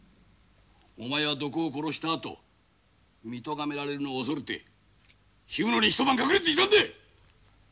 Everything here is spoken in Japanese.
お前は土工を殺したあと見とがめられるのを恐れて氷室に一晩隠れていたんだ！